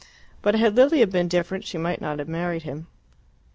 But had Lilia been different she might not have married him.